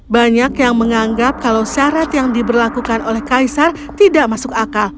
banyak yang menganggap kalau syarat yang diberlakukan oleh kaisar tidak masuk akal